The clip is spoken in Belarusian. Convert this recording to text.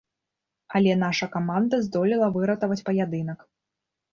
Але наша каманда здолела выратаваць паядынак.